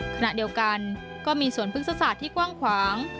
ขณะเดียวกันก็มีสวนพฤกษศาสตร์ที่กว้างขวาง